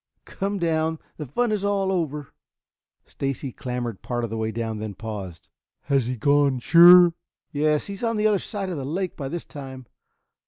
"Come down. The fun is all over." Stacy clambered part of the way down, then paused. "Has he gone, sure?" "Yes, he is on the other side of the lake by this time.